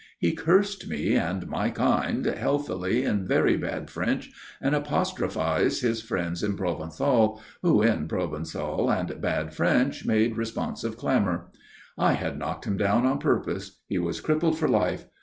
He cursed me and my kind healthily in very bad French and apostrophized his friends in Provençal, who in Provençal and bad French made responsive clamour. I had knocked him down on purpose. He was crippled for life.